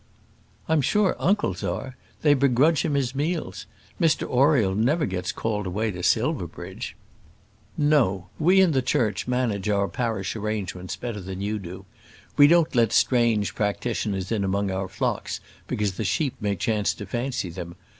"I am sure uncle's are. They begrudge him his meals. Mr Oriel never gets called away to Silverbridge." "No; we in the Church manage our parish arrangements better than you do. We don't let strange practitioners in among our flocks because the sheep may chance to fancy them.